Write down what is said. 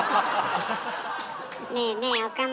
ねえねえ岡村。